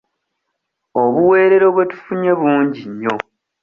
Obuweerero bwe tufunye bungi nnyo.